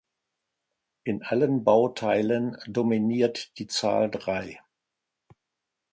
In allen Bauteilen dominiert die Zahl drei.